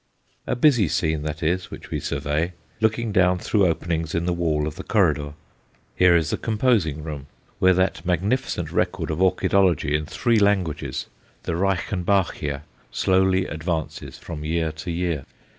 A busy scene that is which we survey, looking down through openings in the wall of the corridor. Here is the composing room, where that magnificent record of orchidology in three languages, the "Reichenbachia," slowly advances from year to year.